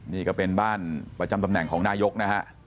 นี่ก็เป็นบ้านประจำตำแหน่งของนายกนะฮะ